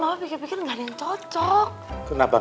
udah selesai nih w action